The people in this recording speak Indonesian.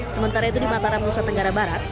sementara itu di mataram nusa tenggara barat